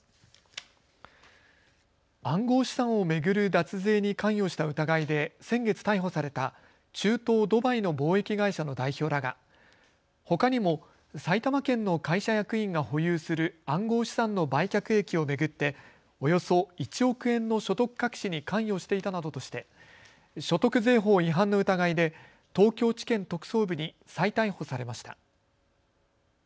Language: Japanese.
暗号資産を巡る脱税に関与した疑いで先月逮捕された中東・ドバイの貿易会社の代表らがほかにも埼玉県の会社役員が保有する暗号資産の売却益を巡っておよそ１億円の所得隠しに関与していたなどとして所得税法違反の疑いで東京地検特捜部に再逮捕されました。